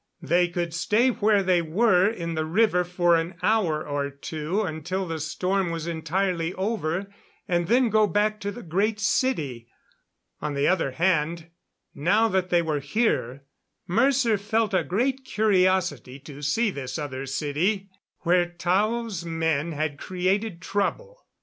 They could stay where they were in the river for an hour or two until the storm was entirely over, and then go back to the Great City. On the other hand, now that they were here, Mercer felt a great curiosity to see this other city where Tao's men had created trouble.